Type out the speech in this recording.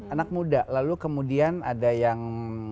anak muda lalu kemudian ada yang